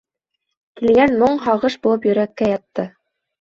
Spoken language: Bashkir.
Килгән моң һағыш булып йөрәккә ятты.